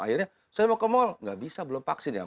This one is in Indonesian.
akhirnya saya mau ke mal nggak bisa belum vaksin ya